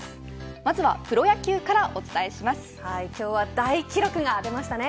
まずはプロ野球から今日は大記録が出ましたね。